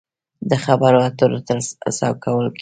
د خبرو اترو ته هڅول کیږي.